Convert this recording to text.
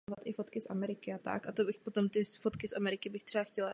Souběžně s vojenským studiem se snažil získat i hudební vzdělání.